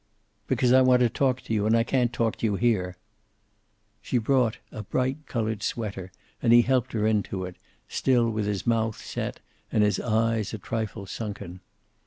"Because I want to talk to you, and I can't talk to you here." She brought a bright colored sweater and he helped her into it, still with his mouth set and his eyes a trifle sunken.